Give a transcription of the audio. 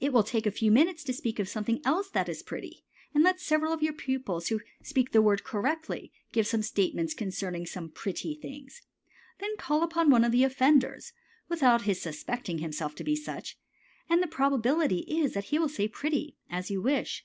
It will take a few minutes to speak of something else that is pretty, and let several of your pupils who speak the word correctly give some statements concerning pretty things. Then call upon one of the offenders, without his suspecting himself to be such, and the probability is that he will say "pretty," as you wish.